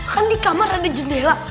kan di kamar ada jendela